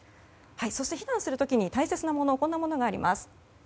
そして避難する時に大切なものこんなものがあります。